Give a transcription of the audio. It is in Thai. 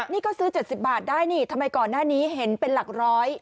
นี่ก็ซื้อ๗๐บาทได้นี่ทำไมก่อนหน้านี้เห็นเป็นหลักร้อย